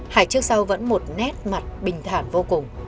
hải trước sau vẫn một nét mặt bình thản vô cùng